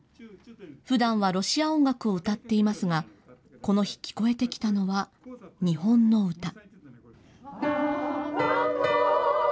ふだんはロシア音楽を歌っていますが、この日、聞こえてきたのは日本の歌。